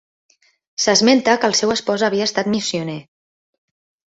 S'esmenta que el seu espòs havia estat missioner.